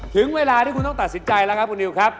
ถึงเวลาที่คุณต้องตัดสินใจแล้วครับคุณนิวครับ